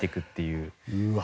うわ。